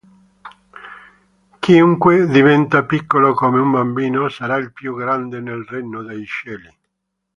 Chiunque diventa piccolo come un bambino sarà il più grande nel regno dei cieli.